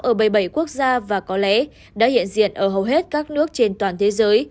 ở bảy mươi bảy quốc gia và có lẽ đã hiện diện ở hầu hết các nước trên toàn thế giới